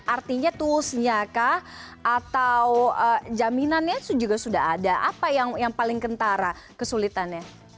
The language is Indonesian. artinya tuh senyaka atau jaminannya juga sudah ada apa yang paling kentara kesulitannya